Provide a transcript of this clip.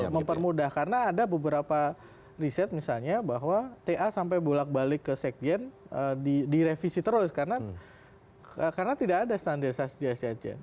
mempermudah karena ada beberapa riset misalnya bahwa ta sampai bolak balik ke set chain direvisi terus karena tidak ada standarisasi di set chain